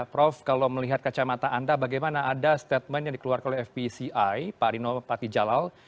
prof kalau melihat kacamata anda bagaimana ada statement yang dikeluarkan oleh fpci pak dino patijalal